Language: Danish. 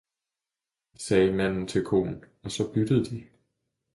sagde manden med koen og så byttede de.